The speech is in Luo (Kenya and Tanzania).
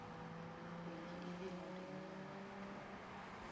Ringi idhi mondo inyiewna chumbi.